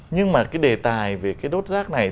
nhưng mà cái đề tài về cái đốt rác này